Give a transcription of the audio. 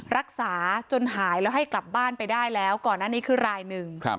รักษาจนหายแล้วให้กลับบ้านไปได้แล้วก่อนหน้านี้คือรายหนึ่ง